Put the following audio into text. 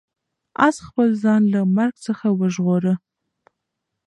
آس خپل ځان له مرګ څخه وژغوره.